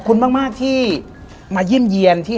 ขอบคุณมากที่บอกว่ามาเยี่ยมเย็น